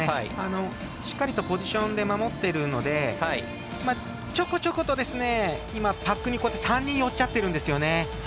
しっかりとポジションで守ってるのでちょこちょこと、パックに３人寄っちゃっているんですよね。